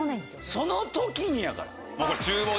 その時にやから。